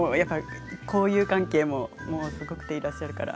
交友関係もすごくていらっしゃるから。